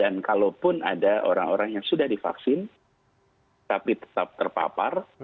dan kalaupun ada orang orang yang sudah divaksin tapi tetap terpapar